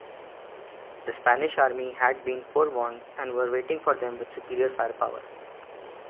The Spanish Army had been forewarned and were waiting for them with superior firepower.